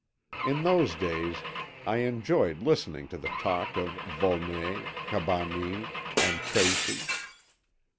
In those days I enjoyed listening to the talk of Volney, Cabanis, and Tracy.